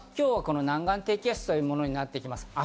南岸低気圧というものになってきます。